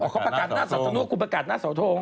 เขาประกาศหน้าเสาทงคุณประกาศหน้าเสาทง